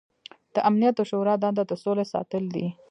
د امنیت د شورا دنده د سولې ساتل دي.